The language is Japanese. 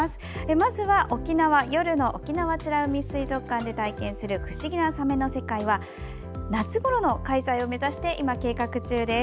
まずは沖縄「夜の沖縄美ら海水族館で体験する『ふしぎなサメ』の世界」は夏ごろの開催を目指して今、計画中です。